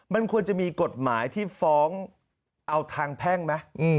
มันควรจะมีกฎหมายที่ฟ้องเอาทางแพ่งไหม